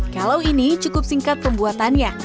kalau ini cukup singkat pembuatannya